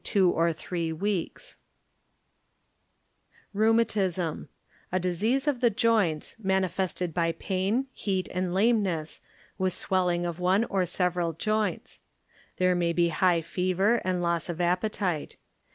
ŌĆö A disease of the joints, manifested by pain, heat and lameness, Ō¢Ā with swelling of one or several joints. There may be high fever and loss of ap petite.